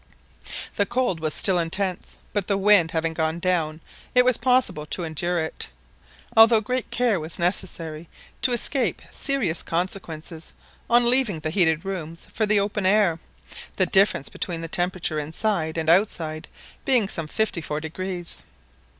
The cold was still intense, but the wind having gone down it was possible to endure it, although great care was necessary to escape serious consequences on leaving the heated rooms for the open air, the difference between the temperature inside and outside being some fifty four degrees.